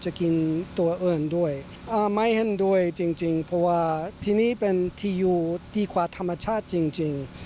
แต่ที่นี่สำเร็จเป็นที่อยู่ดีกว่าธรรมชาติจริง